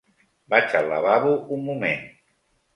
Vaig al lavabo un moment.